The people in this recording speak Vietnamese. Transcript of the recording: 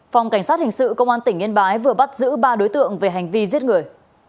phòng cảnh sát hình sự công an tỉnh yên bái vừa bắt giữ ba đối tượng về hành vi giết người